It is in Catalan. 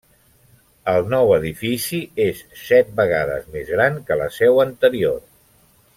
El nou edifici és set vegades més gran que la seu anterior.